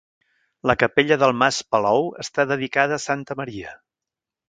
La capella del Mas Palou està dedicada a santa Maria.